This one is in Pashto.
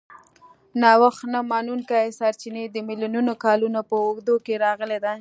نوښت نه منونکي سرچینې د میلیونونو کالونو په اوږدو کې راغلي دي.